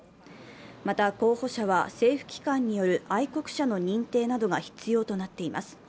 また候補者は政府機関による愛国者の認定などが必要となっています。